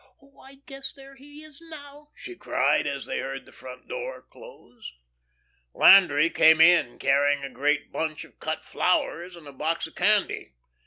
Oh, I guess there he is now," she cried, as they heard the front door close. Landry came in, carrying a great bunch of cut flowers, and a box of candy.